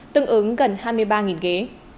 tương ứng gần hai mươi ba ghế